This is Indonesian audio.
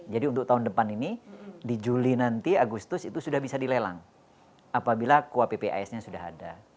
jadi untuk tahun depan ini di juli nanti agustus itu sudah bisa dilelang apabila kuappis nya sudah ada